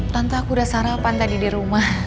tante aku udah sarapan tadi di rumah